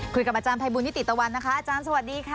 คุยกับอาจารย์ภัยบูลนิติตะวันนะคะอาจารย์สวัสดีค่ะ